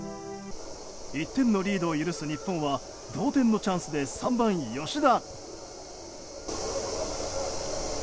１点のリードを許す日本は同点のチャンスで３番、吉田。